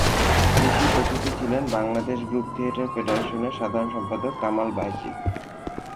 বিশেষ অতিথি ছিলেন বাংলাদেশ গ্রুপ থিয়েটার ফেডারেশানের সাধারণ সম্পাদক কামাল বায়েজীদ।